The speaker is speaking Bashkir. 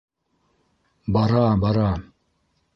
Бара, бара.